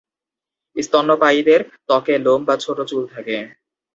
স্তন্যপায়ীদের ত্বকে লোম বা ছোট চুল থাকে।